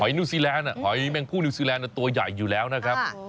นิวซีแลนด์หอยแมงพู่นิวซีแลนด์ตัวใหญ่อยู่แล้วนะครับ